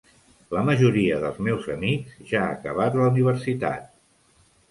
La majoria dels meus amics ja ha acabat la universitat.